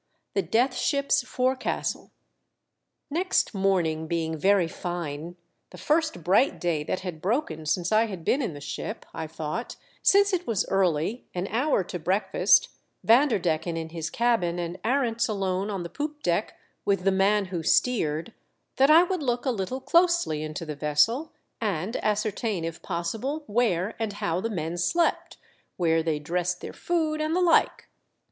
THE DEATH SHIP's FORECASTLE. Next morning being very fine — the first bright day that had broken since I had been in the ship — I thought, since it was early, an hour to breakfast, Vanderdecken in his cabin and Arents alone on the poop deck with the man who steered, that I would look a Httle closely into the vessel, and ascertain if pos sible where and how the men slept, where they dressed their food and the like.